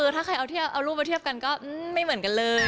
ถ้าใครเอารูปมาเทียบกันก็ไม่เหมือนกันเลย